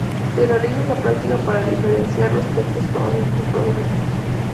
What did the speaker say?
Se realiza esta práctica para diferenciar los textos con los distintos procesos.